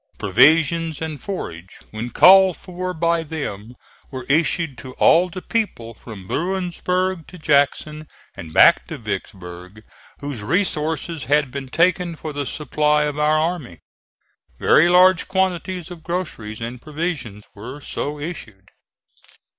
Provisions and forage, when called for by them, were issued to all the people, from Bruinsburg to Jackson and back to Vicksburg, whose resources had been taken for the supply of our army. Very large quantities of groceries and provisions were so issued.